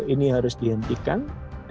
ini harus dihentikan